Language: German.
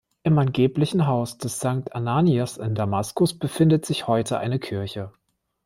Im angeblichen Haus des Sankt Ananias in Damaskus befindet sich heute eine Kirche.